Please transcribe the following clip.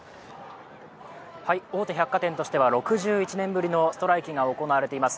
大手百貨店としては６１年ぶりのストライキが行われています